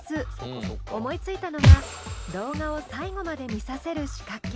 思いついたのが動画を最後まで見させる仕掛け。